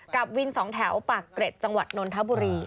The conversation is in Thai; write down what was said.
กับวินสองแถวปากเกร็ดจังหวัดนนทบุรี